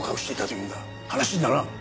話にならん。